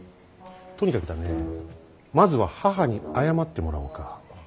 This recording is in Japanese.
とにかくだねまずは母に謝ってもらおうか。